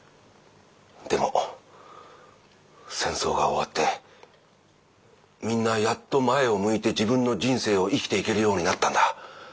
でも戦争が終わってみんなやっと前を向いて自分の人生を生きていけるようになったんだ。